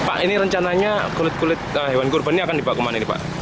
pak ini rencananya kulit kulit hewan kurban ini akan dibawa kemana ini pak